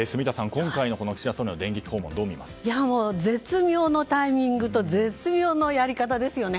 今回の岸田総理の電撃訪問を絶妙のタイミングと絶妙のやり方ですよね。